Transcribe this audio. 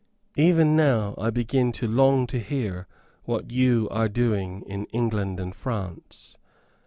Even now I begin to long to hear what you are doing in England and France.